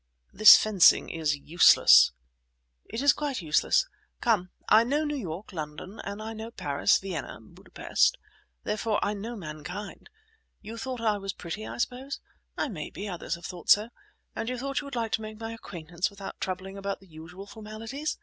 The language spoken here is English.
"This fencing is useless." "It is quite useless! Come, I know New York, London, and I know Paris, Vienna, Budapest. Therefore I know mankind! You thought I was pretty, I suppose? I may be; others have thought so. And you thought you would like to make my acquaintance without troubling about the usual formalities?